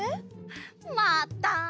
また。